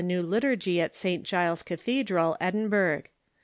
new liturgy at St. Giles Cathedral, Edinbnrgli.